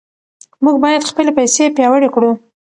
موږ باید خپلې پیسې پیاوړې کړو.